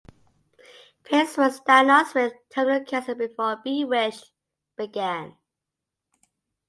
Pearce was diagnosed with terminal cancer before "Bewitched" began.